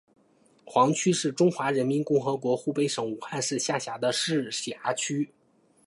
黄区是中华人民共和国湖北省武汉市下辖的市辖区。